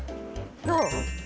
どう？